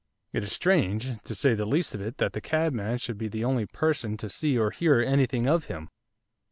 It is strange, to say the least of it, that the cabman should be the only person to see or hear anything of him.